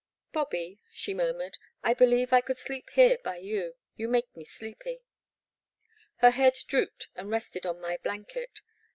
*' Bobby," she murmured, I believe I could sleep here by you — ^you make me sleepy." Her head drooped and rested on my blanket.